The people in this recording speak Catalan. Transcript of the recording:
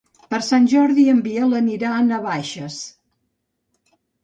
Per Sant Jordi en Biel anirà a Navaixes.